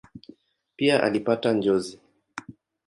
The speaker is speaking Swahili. Pia alipata njozi.